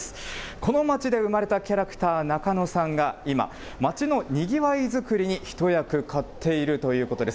この街で生まれたキャラクター、ナカノさんが今、街のにぎわい作りに一役買っているということです。